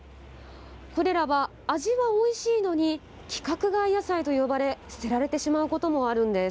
これらは味はおいしいのに規格外野菜と呼ばれ捨てられてしまうこともあるんです。